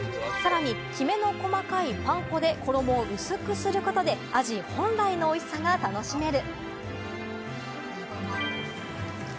さらに、キメの細かいパン粉で衣を薄くすることでアジ本来のおいしさが楽しめる。